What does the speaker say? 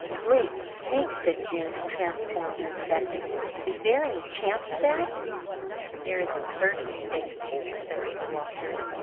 "Great snakes!" said Jims, transformed in a second. "Is there any chance of that?" "There is a certainty, thanks to you," said Uncle Walter.